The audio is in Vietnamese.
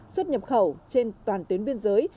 xuất nhập khẩu trên toàn tuyến biên giới